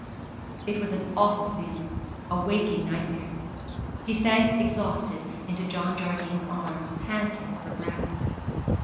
It was an awful feeling, a waking nightmare. He sank exhausted into John Jardine's arms, panting for breath.